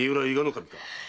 守か？